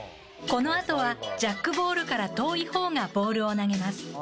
このあとは、ジャックボールから遠いほうがボールを投げます。